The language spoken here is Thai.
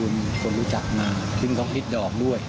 มาก็